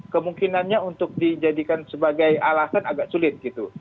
kemungkinannya untuk dijadikan sebagai alasan agak sulit gitu